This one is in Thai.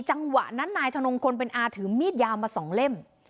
จังหวะนั้นนายธนงพลเป็นอาถือมีดยาวมาสองเล่ม